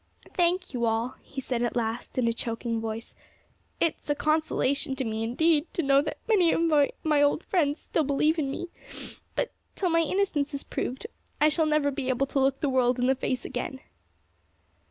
"Thank you all," he said at last, in a choking voice, "it is a consolation to me indeed to know that my old friends still believe in me; but, till my innocence is proved, I shall never be able to look the world in the face again."